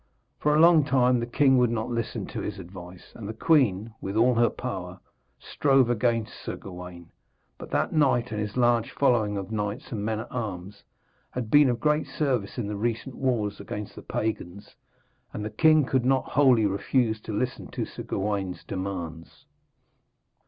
For a long time the king would not listen to his advice, and the queen, with all her power, strove against Sir Gawaine. But that knight and his large following of knights and men at arms had been of great service in the recent wars against the pagans, and the king could not wholly refuse to listen to Sir Gawaine's demands.